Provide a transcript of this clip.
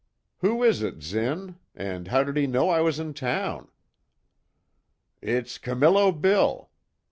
"Who is it, Zinn? And how did he know I was in town?" "It's Camillo Bill.